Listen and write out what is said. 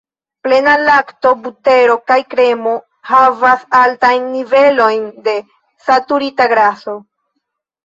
Plena lakto, butero kaj kremo havas altajn nivelojn de saturita graso.